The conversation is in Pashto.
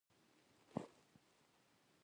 ښوروا د شګوړو خوړو لپاره مقدمه ده.